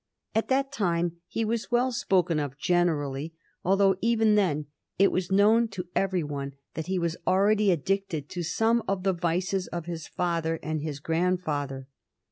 At that time he was well spoken of generally, although even then it was known to every one that he was already addicted to some of the vices of his father and his grand father.